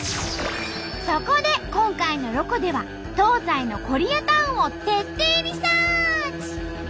そこで今回の「ロコ」では東西のコリアタウンを徹底リサーチ！